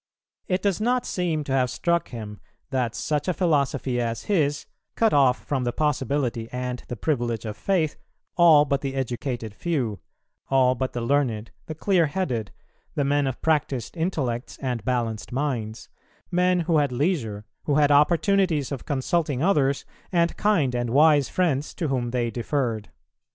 It does not seem to have struck him that such a philosophy as his cut off from the possibility and the privilege of faith all but the educated few, all but the learned, the clear headed, the men of practised intellects and balanced minds, men who had leisure, who had opportunities of consulting others, and kind and wise friends to whom they deferred.